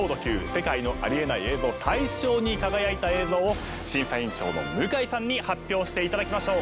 世界のありえない映像大賞に輝いた映像を審査委員長の向井さんに発表していただきましょう。